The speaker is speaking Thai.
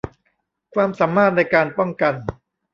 ความสามารถในการป้องกัน